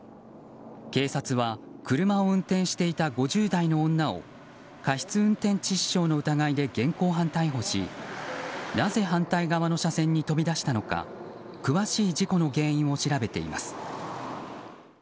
警察は車を運転していた５０代の女を過失運転致死傷の疑いで現行犯逮捕しなぜ反対側の車線に飛び出したのか詳しい事故の原因を調べています。